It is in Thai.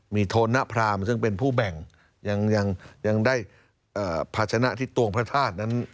มีโธนพรามซึ่งเป็นผู้แบ่งยังได้ภาชนะที่ตวงพระธาตุนั้น